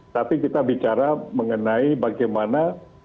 tapi kita bicara mengenai bagaimana